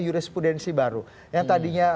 jurisprudensi baru yang tadinya